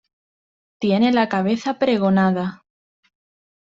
tiene la cabeza pregonada.